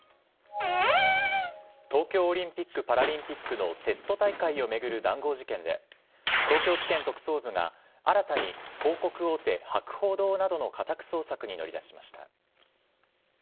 東京オリンピック・パラリンピックのテスト大会を巡る談合事件で、東京地検特捜部が新たに広告大手、博報堂などの家宅捜索に乗り出しました。